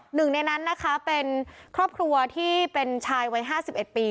หนึ่งในนั้นนะคะเป็นครอบครัวที่เป็นชายวัย๕๑ปี